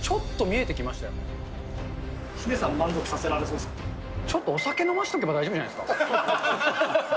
ヒデさん、ちょっとお酒飲ましとけば大丈夫じゃないですか。